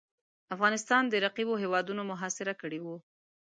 افغانستان د رقیبو هیوادونو محاصره کړی وو.